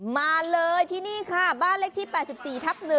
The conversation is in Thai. มาเลยที่นี่ค่ะบ้านเลขที่๘๔ทับ๑